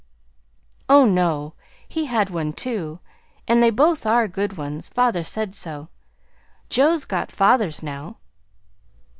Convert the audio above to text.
"Oh, no. He had one, too, and they both are good ones. Father said so. Joe's got father's now."